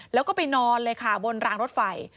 แล้วก็ไปนอนเลยค่ะบนรางรถไฟ